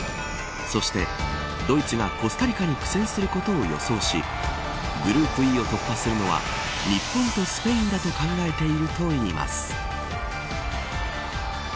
そして、ドイツがコスタリカに苦戦することを予想しグループＥを突破するのは日本とスペインだと考えているといいます。